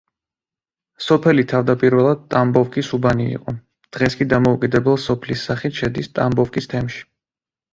სოფელი თავდაპირველად ტამბოვკის უბანი იყო, დღეს კი დამოუკიდებელ სოფლის სახით შედის ტამბოვკის თემში.